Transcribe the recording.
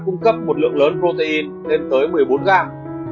cung cấp một lượng lớn protein lên tới một mươi bốn gram